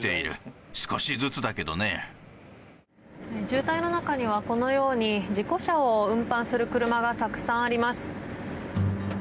渋滞の中にはこのように事故車を運搬する車がたくさんあります。